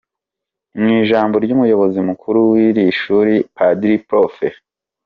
Mu ijambo ry’Umuyobozi Mukuru w’iri shuri, Padiri Prof.